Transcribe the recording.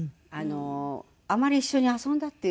あまり一緒に遊んだっていう事ないよね。